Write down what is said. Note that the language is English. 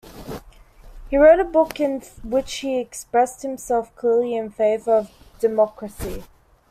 He wrote a book in which he expressed himself clearly in favor of democracy.